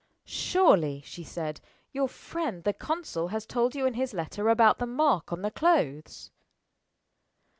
"Surely," she said, "your friend, the consul, has told you in his letter about the mark on the clothes?"